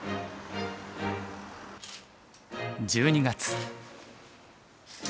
１２月。